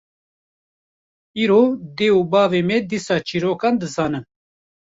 Îro dê û bavê me dîsa çîrokan dizanin